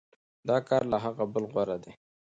دا کار له هغه بل غوره دی.